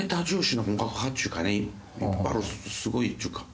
すごいっちゅうか。